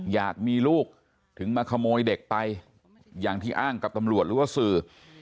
อยากมีลูกถึงมาขโมยเด็กไปอย่างที่อ้างกับตำรวจหรือว่าสื่อ